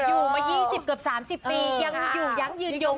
อยู่มา๒๐เกือบ๓๐ปียังอยู่ยั้งยืนยง